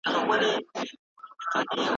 ستاينه د ټولنې د باور او ملاتړ نتیجه ده.